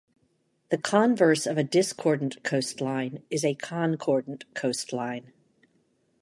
The converse of a discordant coastline is a concordant coastline.